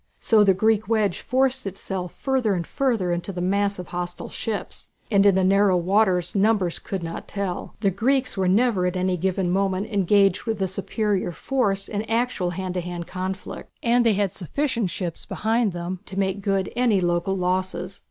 So the Greek wedge forced itself further and further into the mass of hostile ships, and in the narrow waters numbers could not tell. The Greeks were never at any given moment engaged with a superior force in actual hand to hand conflict, and they had sufficient ships behind them to make good any local losses.